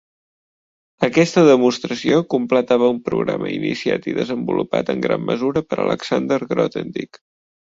Aquesta demostració completava un programa iniciat i desenvolupat en gran mesura per Alexander Grothendieck.